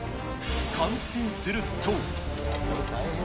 完成すると。